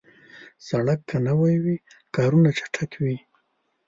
سړک که نوي وي، کارونه چټک وي.